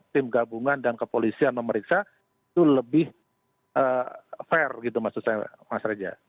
tim gabungan dan kepolisian memeriksa itu lebih fair gitu maksud saya mas reza